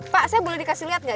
pak saya boleh dikasih lihat nggak